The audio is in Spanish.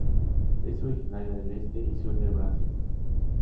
Es originaria del este y sur de Brasil.